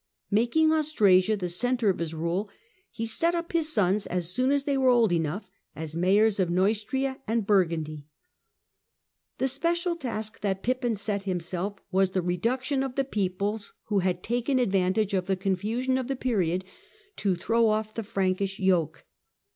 Making Austrasia the centre of his rule, he set up his sons, as soon as they were old enough, as Mayors of Neustria and Burgundy. The special task that Pippin set himself was the re duction of the peoples who had taken advantage of the confusion of the period to throw off the Frankish yoke.